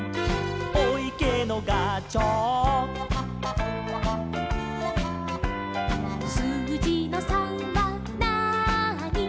「おいけのがちょう」「すうじの３はなーに」